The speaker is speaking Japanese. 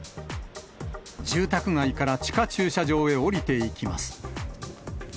住宅街から地下駐車場へ下りていきます。